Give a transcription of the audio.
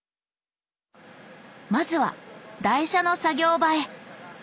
まずは台車の作業場へ！